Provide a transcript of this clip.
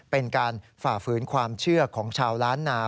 เป็นการฝ่าฝืนความเชื่อของชาวล้านนา